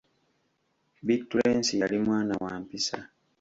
Bittulensi yali mwana wa mpisa.